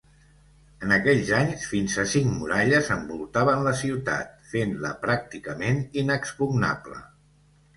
En aquells anys, fins a cinc muralles envoltaven la ciutat, fent-la pràcticament inexpugnable.